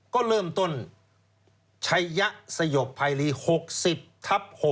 ก็เริ่มต้นชัยยะสยบภัยรี๖๐ทับ๖